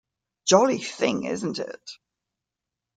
Jolly thing, isn't it?